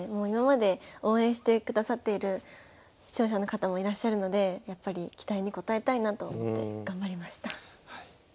今まで応援してくださっている視聴者の方もいらっしゃるのでやっぱり期待に応えたいなと思って頑張りました。